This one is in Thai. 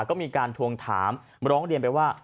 ก็มีการทวงถามร้องเรียนไปว่า